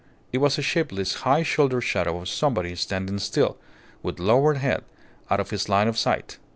It was a shapeless, high shouldered shadow of somebody standing still, with lowered head, out of his line of sight.